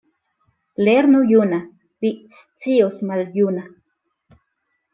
Lernu juna — vi scios maljuna.